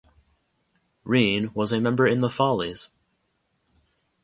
Rene was a member in the Follies.